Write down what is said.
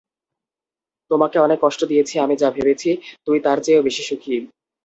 তোমাকে অনেক কষ্ট দিয়েছি আমি যা ভেবেছি, তুই তার চেয়েও বেশি সুখী।